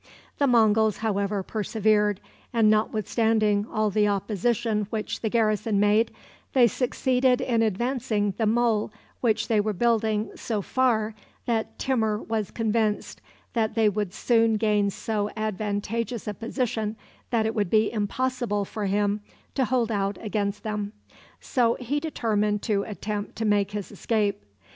The Monguls, however, persevered, and, notwithstanding all the opposition which the garrison made, they succeeded in advancing the mole which they were building so far that Timur was convinced that they would soon gain so advantageous a position that it would be impossible for him to hold out against them. So he determined to attempt to make his escape.